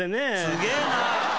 すげえな。